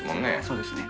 そうですね。